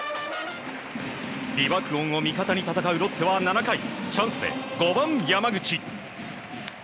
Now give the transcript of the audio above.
美爆音を味方に戦うロッテは７回チャンスで５番、山口。